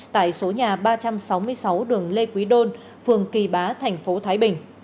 tại số nhà ba trăm sáu mươi sáu đường lê quý đôn phường kỳ bá tp thái bình